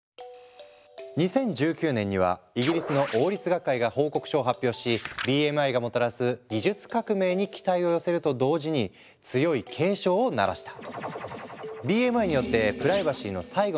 ２０１９年にはイギリスの王立学会が報告書を発表しＢＭＩがもたらす技術革命に期待を寄せると同時に強い警鐘を鳴らした。